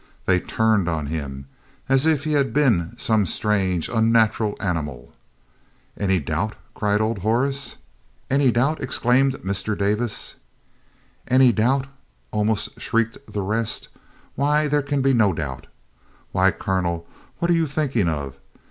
They turned on him as if he had been some strange, unnatural animal. "Any doubt!" cried Old Horace. "Any doubt!" exclaimed Mr. Davis. "Any doubt?" almost shrieked the rest. "Why, there can be no doubt. Why, Colonel, what are you thinking of?